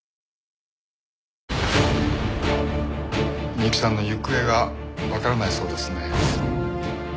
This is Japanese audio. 美雪さんの行方がわからないそうですね。